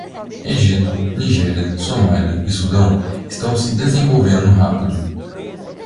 Egito, Nigéria, Somália e Sudão estão se desenvolvendo rápido